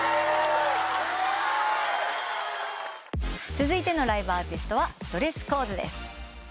続いてのライブアーティストはドレスコーズです。